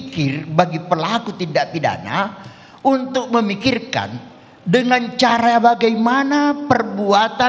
kripto tidak naham dan kripto